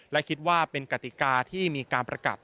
และคิดว่าเป็นกติกาที่มีการประกัด